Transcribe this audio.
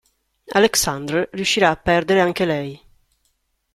Alexandre riuscirà a perdere anche lei.